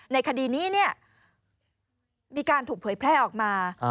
ในคดีนี้มีการถูกเผยแพร่ออกมา